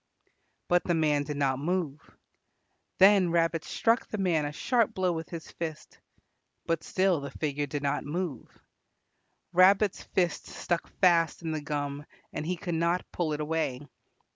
But the man did not move. Then Rabbit struck the man a sharp blow with his fist. But still the figure did not move. Rabbit's fist stuck fast in the gum and he could not pull it away.